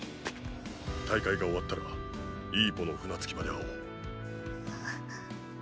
大会が終わったらイーポの船着き場で会おう。